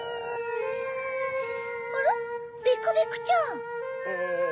ビクビクちゃん。